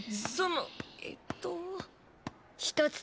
そのえっと。